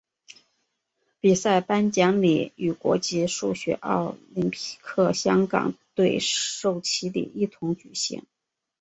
比赛颁奖礼与国际数学奥林匹克香港队授旗礼一同举行。